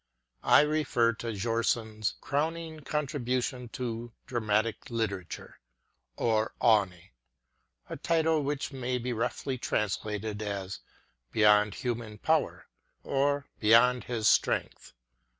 I refer to Bjornson 's crowning contribution to dramatic literature, Over Aevne ŌĆö a title which may be roughly translated as Beyond Human Power or Beyond His Strength.